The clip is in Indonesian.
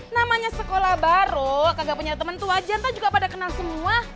namanya sekolah baru kagak punya temen tua jantan juga pada kenal semua